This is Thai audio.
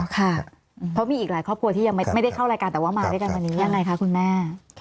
ค่ะเพราะมีอีกหลายครอบครัวที่ยังไม่ได้เข้ารายการแต่ว่ามาด้วยกันวันนี้ยังไงคะคุณแม่